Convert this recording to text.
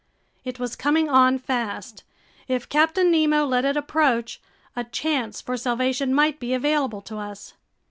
It was coming on fast. If Captain Nemo let it approach, a chance for salvation might be available to us.